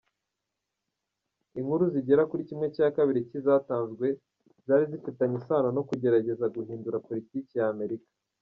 Inkuru zigera kuri ½ cy’izatanzwe zari zifitanye isano no kugerageza guhindura Politiki ya Amerika.